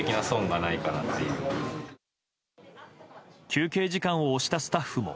休憩時間を押したスタッフも。